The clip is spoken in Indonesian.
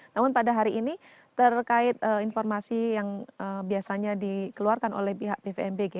namun pada hari ini terkait informasi yang biasanya dikeluarkan oleh pihak bvmbg